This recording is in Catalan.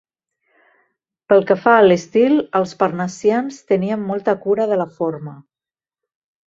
Pel que fa a l'estil, els parnassians tenien molta cura de la forma.